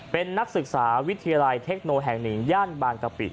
เป็นนักศึกษาวิทยาลัยเทคโนแห่ง๑ย่านบางกะปิ